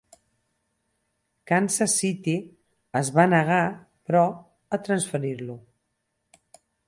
Kansas City es va negar, però, a transferir-lo.